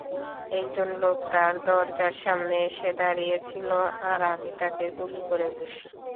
একজন লোক তার দরজার সামনে এসে দাঁড়িয়েছিলো, আর আমি তাকে গুলি করে বসি।